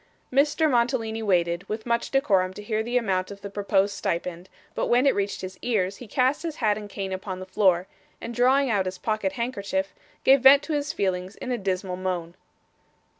Mr. Mantalini waited, with much decorum, to hear the amount of the proposed stipend, but when it reached his ears, he cast his hat and cane upon the floor, and drawing out his pocket handkerchief, gave vent to his feelings in a dismal moan.